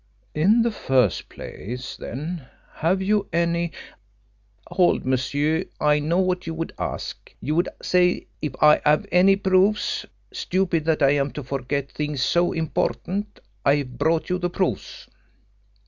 "In the first place, then, have you any " "Hold, monsieur! I know what you would ask! You would say if I have any proofs? Stupid that I am to forget things so important. I have brought you the proofs."